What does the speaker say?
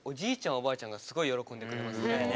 おばあちゃんがすごい喜んでくれますね。